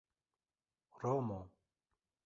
romo